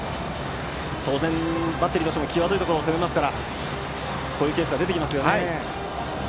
当然、バッテリーとしても際どいところを攻めますからこういうケースは出てきますね。